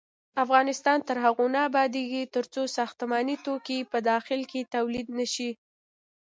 افغانستان تر هغو نه ابادیږي، ترڅو ساختماني توکي په داخل کې تولید نشي.